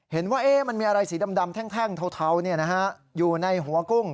เห็นว่ามันมีอะไรสีดำแท่งเทาอยู่ในหัวกุ้ง